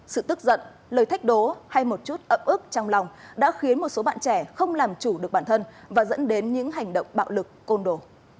sự tức giận lời thách đố hay một chút ấm ức trong lòng đã khiến một số bạn trẻ không làm chủ được bản thân và dẫn đến những hành động bạo lực côn đồ